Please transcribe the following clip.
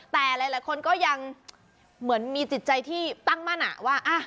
แต่หลายคนก็ยังเหมือนมีจิตใจที่ตั้งมั่นว่า